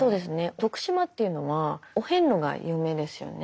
徳島というのはお遍路が有名ですよね。